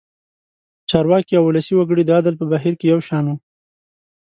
چارواکي او ولسي وګړي د عدل په بهیر کې یو شان وو.